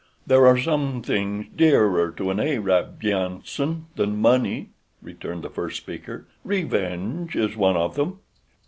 "There are some things dearer to an Arab, Jenssen, than money," returned the first speaker—"revenge is one of them."